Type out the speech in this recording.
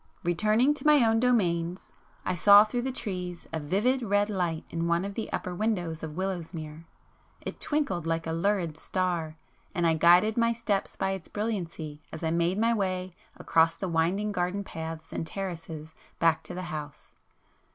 Returning to my own domains, I saw through the trees a vivid red light in one of the upper windows of Willowsmere. It twinkled like a lurid star, and I guided my steps by its brilliancy as I made my way across the winding garden paths and terraces back to the house.